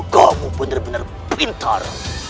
kamu benar benar pintar